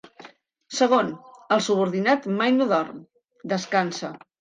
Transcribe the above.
Segon: el subordinat mai no dorm, descansa.